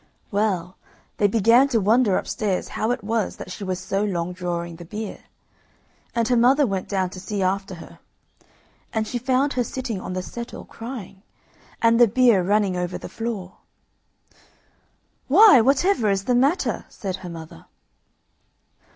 Well, they began to wonder upstairs how it was that she was so long drawing the beer, and her mother went down to see after her, and she found her sitting on the settle crying, and the beer running over the floor. "Why, whatever is the matter?" said her mother.